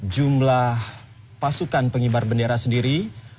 jumlah pasukan pengibar bendera sendiri